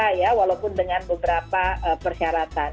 karena kita sudah bisa terbuka dengan beberapa persyaratan